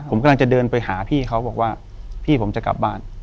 ผมกำลังจะเดินไปหาพี่เขาบอกว่าพี่ผมจะกลับบ้าน